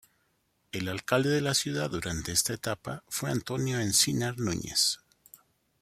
El alcalde de la ciudad durante esta etapa fue Antonio Encinar Núñez.